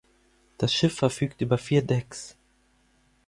Das Schiff verfügt über vier Decks.